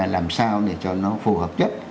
làm sao để cho nó phù hợp nhất